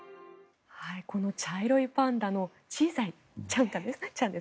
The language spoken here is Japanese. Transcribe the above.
この茶色いパンダのチーザイちゃん